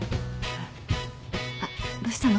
あっどうしたの？